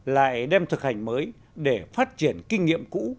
lại đem thực hành mới để phát triển kinh nghiệm cũ